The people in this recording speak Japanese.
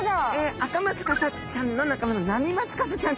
アカマツカサちゃんの仲間のナミマツカサちゃん。